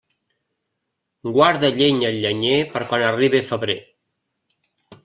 Guarda llenya al llenyer per quan arribe febrer.